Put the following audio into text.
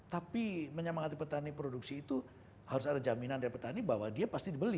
tapi menyemangati petani produksi itu harus ada jaminan dari petani bahwa dia pasti dibeli